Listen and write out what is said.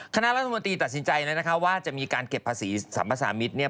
คณะรัฐมนตรีตัดสินใจว่าจะมีการเก็บภาษีสรรพสามิตรเนี่ย